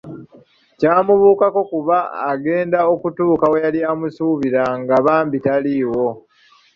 Ky’amubuukako kuba agenda okutuuka we yali amusuubira nga bambi taliiwo.